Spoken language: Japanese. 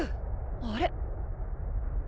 あれ？